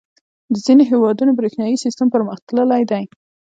• د ځینو هېوادونو برېښنايي سیسټم پرمختللی دی.